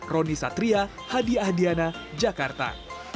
roni satria hadi ahdiana jakarta